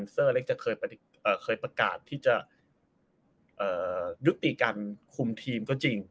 เซอร์เล็กจะเคยประกาศที่จะยุติการคุมทีมก็จริง